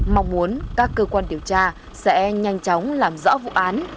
mong muốn các cơ quan điều tra sẽ nhanh chóng làm rõ vụ án